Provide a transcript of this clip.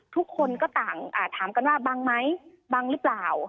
ทุกคนก็ต่างถามกันว่าบังไหมบังหรือเปล่า